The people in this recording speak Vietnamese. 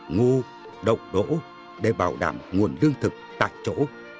ngu đậu đỗ để bảo đảm nguồn lương thực tại chỗ